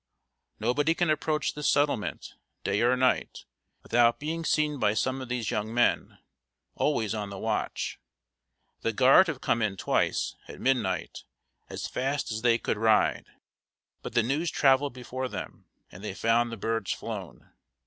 Nobody can approach this settlement, day or night, without being seen by some of these young men, always on the watch. The Guard have come in twice, at midnight, as fast as they could ride; but the news traveled before them, and they found the birds flown.